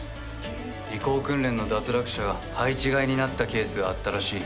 移行訓練の脱落者配置換えになったケースがあったらしい。